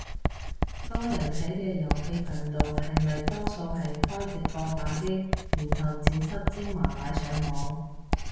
多人睇嘅遊戲頻道係咪多數係開直播打機，然後剪輯精華擺上網